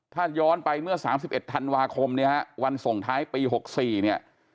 ถ้าย้อนไปเมื่อ๓๑ธันวาคมวันส่งท้ายปี๖๔